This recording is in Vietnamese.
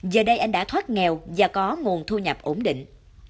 giờ đây anh đã thoát nghèo và có nguồn thu nhập ổn định